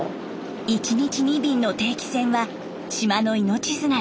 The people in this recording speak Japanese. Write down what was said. １日２便の定期船は島の命綱です。